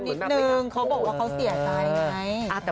นิดนึงเขาบอกว่าเขาเสียใจไง